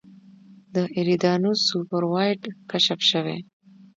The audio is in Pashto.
د ایریدانوس سوپر وایډ کشف شوی.